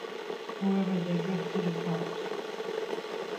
However, they drifted apart.